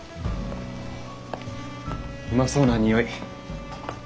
うまそうな匂い。